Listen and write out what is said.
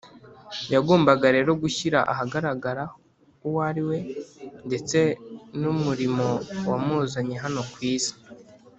yagombaga rero gushyira ahagaragara uwo ari we ndetse n’umurimo wamuzanye hano ku isi